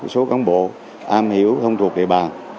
số cán bộ am hiểu không thuộc địa bàn